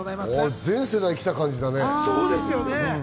全世代生きた感じだね。